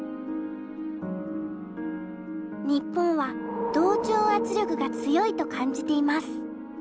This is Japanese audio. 日本は同調圧力が強いと感じています。